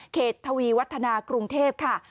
ทวีวัฒนากรุงเทพค่ะ